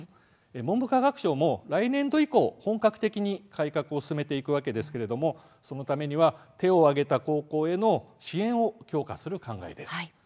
文部科学省も来年度以降本格的に改革を進めていくわけですがその際には手を挙げた高校への支援を強化する考えです。